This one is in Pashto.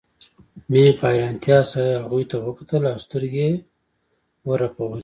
مينې په حيرانتيا سره هغوی ته وکتل او سترګې يې ورپولې